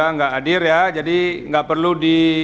empat puluh tiga enggak ada ya jadi enggak perlu di